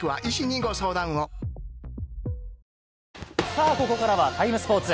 さぁ、ここからは「ＴＩＭＥ，スポーツ」。